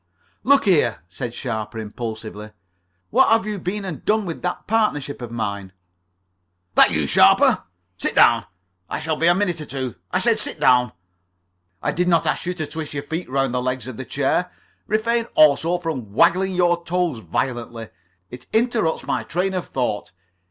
"Look here," said Sharper impulsively, "what have you been and done with that partnership of mine?" "That you, Sharper? Sit down. I shall be a minute or two. I said, sit down. I did not ask you to twist your feet round the legs of the chair. Refrain also from waggling your toes violently. It interrupts my train of thought.